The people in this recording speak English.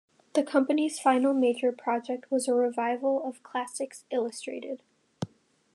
The company's final major project was a revival of "Classics Illustrated".